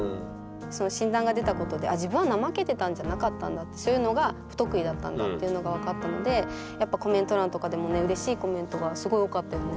その診断が出たことで自分はそういうのが不得意だったんだっていうのが分かったのでやっぱコメント欄とかでもねうれしいコメントがすごい多かったよね。